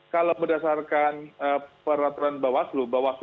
kalau berdasarkan peraturan bawas